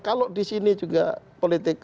kalau di sini juga politik